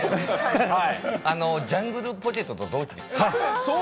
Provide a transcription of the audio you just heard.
ジャングルポケットと同期です。